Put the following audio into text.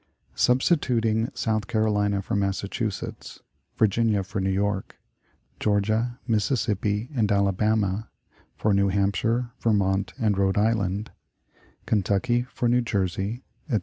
" Substituting South Carolina for Massachusetts; Virginia for New York; Georgia, Mississippi, and Alabama, for New Hampshire, Vermont, and Rhode Island; Kentucky for New Jersey, etc.